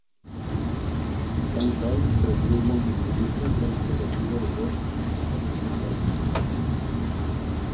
Tan sols tres mil monjos budistes van sobreviure l'horror dels khmers rojos.